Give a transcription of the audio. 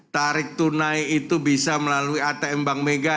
tarik tunai itu bisa melalui atm bank mega